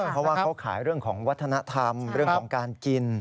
เพราะว่าเขาขายเรื่องของวัฒนธรรมเรื่องของการกิน